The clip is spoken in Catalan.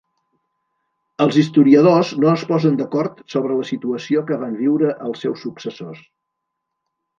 Els historiadors no es posen d'acord sobre la situació que van viure els seus successors.